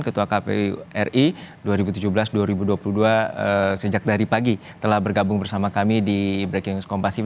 ketua kpu ri dua ribu tujuh belas dua ribu dua puluh dua sejak dari pagi telah bergabung bersama kami di breaking news kompasy